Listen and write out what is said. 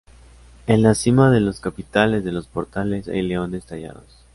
En la cima de los capiteles de los portales hay leones tallados.